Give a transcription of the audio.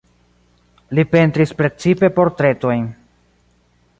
Li pentris precipe portretojn.